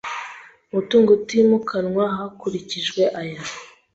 mutungo utimukanwa hakurikijwe aya